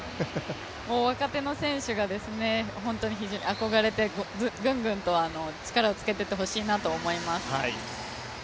もう若手の選手が非常に憧れてぐんぐんと力をつけていってほしいなと思います。